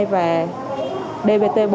và dvt bốn